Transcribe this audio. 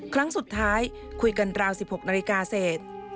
ครั้งสุดท้ายคุยกันราว๑๖นาฬิกาเสร็จ